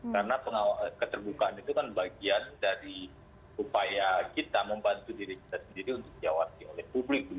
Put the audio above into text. karena keterbukaan itu kan bagian dari upaya kita membantu diri kita sendiri untuk diawasi oleh publik